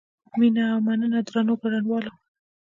مینه او مننه درنو ګډونوالو.